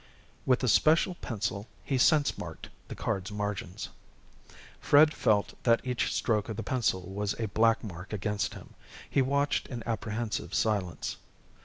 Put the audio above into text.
With a special pencil, he sense marked the card's margins. Fred felt that each stroke of the pencil was a black mark against him. He watched in apprehensive silence.